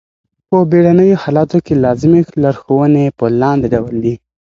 په بېړنیو حالاتو کي لازمي لارښووني په لاندي ډول دي.